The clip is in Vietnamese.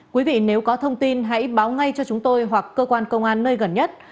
quý vị nếu có thông tin hãy báo ngay cho chúng tôi hoặc cơ quan công an nơi gần nhất